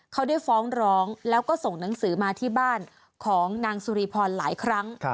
เขาได้ฟ้องร้องแล้วก็ส่งหนังสือมาที่บ้านของนางสุริพรหลายครั้ง